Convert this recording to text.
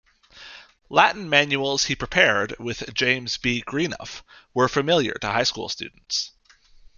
Latin manuals he prepared with James B. Greenough were familiar to high school students.